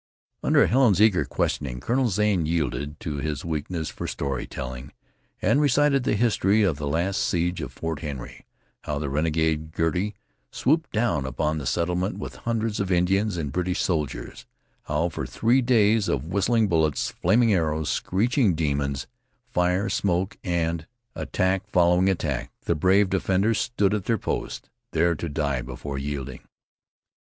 Under Helen's eager questioning Colonel Zane yielded to his weakness for story telling, and recited the history of the last siege of Fort Henry; how the renegade Girty swooped down upon the settlement with hundreds of Indians and British soldiers; how for three days of whistling bullets, flaming arrows, screeching demons, fire, smoke, and attack following attack, the brave defenders stood at their posts, there to die before yielding.